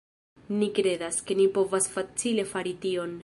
Ni kredas, ke ni povas facile fari tion